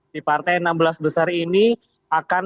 di partai enam belas besar ini akan